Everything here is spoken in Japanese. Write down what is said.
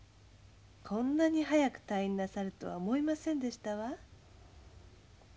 こんなに早く退院なさるとは思いませんでしたわ。